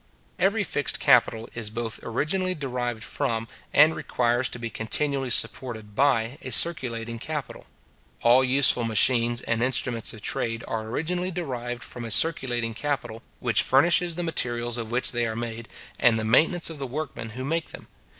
Every fixed capital is both originally derived from, and requires to be continually supported by, a circulating capital. All useful machines and instruments of trade are originally derived from a circulating capital, which furnishes the materials of which they are made, and the maintenance of the workmen who make them.